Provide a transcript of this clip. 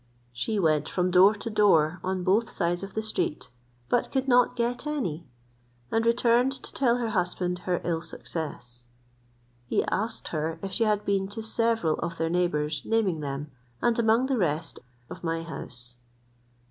She went from door to door on both sides of the street, but could not get any, and returned to tell her husband her ill success. He asked her if she had been to several of their neighbours, naming them, and among the rest my house.